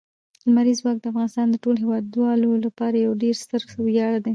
لمریز ځواک د افغانستان د ټولو هیوادوالو لپاره یو ډېر ستر ویاړ دی.